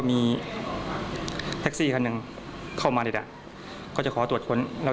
อ่ะฟังสินตำรวจค่ะ